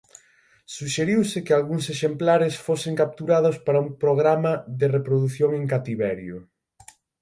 Suxeriuse que algúns exemplares fosen capturados para un programa de reprodución en cativerio.